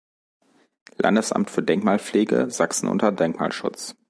Landesamt für Denkmalpflege Sachsen unter Denkmalschutz.